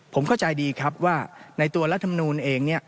ผมเข้าใจดีครับว่าในตัวรัฐมนูลเองเนี่ย